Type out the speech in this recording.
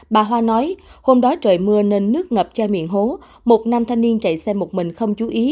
bà hoa nói hôm đó trời mưa nên nước ngập chai miệng hố một nam thanh niên chạy xe một mình không chú ý